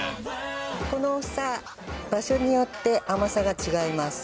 この房、場所によって甘さが違います。